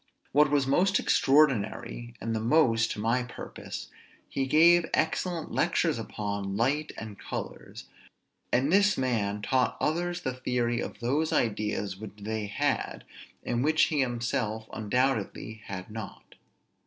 What was the most extraordinary and the most to my purpose, he gave excellent lectures upon light and colors; and this man taught others the theory of those ideas which they had, and which he himself undoubtedly had not.